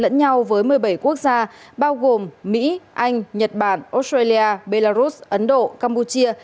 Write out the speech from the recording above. lẫn nhau với một mươi bảy quốc gia bao gồm mỹ anh nhật bản australia belarus ấn độ campuchia